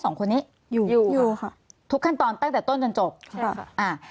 สองคนนี้อยู่อยู่ค่ะทุกขั้นตอนตั้งแต่ต้นจนจบค่ะอ่า